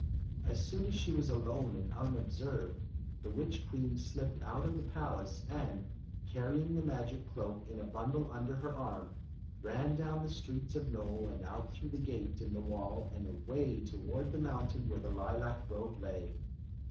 As soon as she was alone and unobserved, the witchKiueen slipped out of the palace, and, carrying the magic cloak in a bundle under her arm, ran down the streets of Nole and out through the gate in the wall and away toward the mountain where the lilac grove lay.